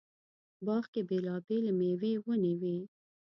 باغ کې بېلابېلې مېوې ونې وې.